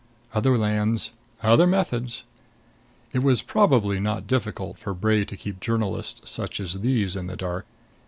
Other lands, other methods. It was probably not difficult for Bray to keep journalists such as these in the dark.